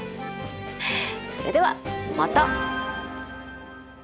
それではまた。